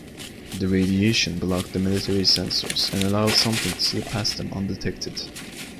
The radiation blocked the military's sensors, and allowed something to slip past them undetected.